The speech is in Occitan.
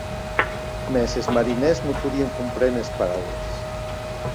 Mès es marinèrs non podien compréner es paraules.